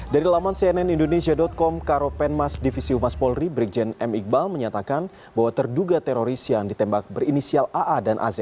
dari laman cnnindonesia com karopenmas divisi umas polri brigjen m iqbal menyatakan bahwa terduga teroris yang ditembak berinisial aa dan az